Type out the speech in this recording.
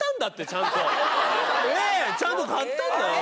ちゃんと買ったんだよ！